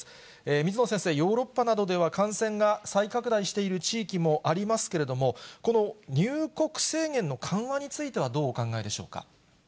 水野先生、ヨーロッパなどでは感染が再拡大している地域もありますけれども、この入国制限の緩和についてはどうお考えでしょうか。